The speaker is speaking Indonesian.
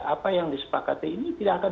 apa yang disepakati ini tidak akan